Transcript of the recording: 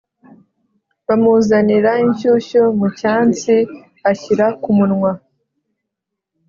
bamuzanira inshyushyu mucyansi ashyira kumunwa